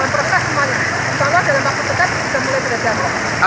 kalau menggunakan nanti akan kita buka